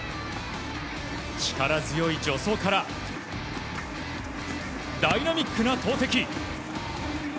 力強い助走からダイナミックな投てき。